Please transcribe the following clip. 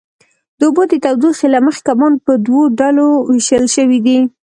د اوبو د تودوخې له مخې کبان په دوو ډلو وېشل شوي دي.